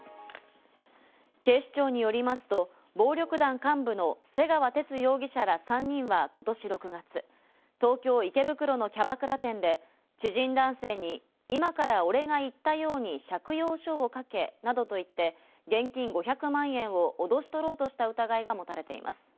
警視庁によりますと、暴力団幹部の瀬川哲容疑者ら３人はことし６月、東京・池袋のキャバクラ店で知人男性に、今から俺が言ったように借用書を書けなどと言って現金５００万円を脅し取ろうとした疑いが持たれています。